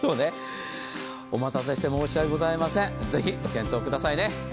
お待たせして申し訳ございません、ぜひご検討くださいね。